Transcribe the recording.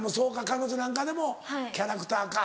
彼女なんかでもキャラクターか。